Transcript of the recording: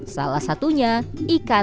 salah satunya ikan kakak tua